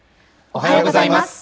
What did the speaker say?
おはようございます。